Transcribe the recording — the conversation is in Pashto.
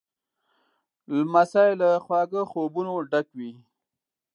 لمسی له خواږه خوبونو ډک وي.